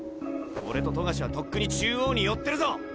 俺と冨樫はとっくに中央に寄ってるぞ！